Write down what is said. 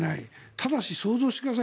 ただし、想像してください。